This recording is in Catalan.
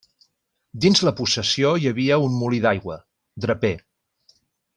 Dins la possessió hi havia un molí d'aigua, draper.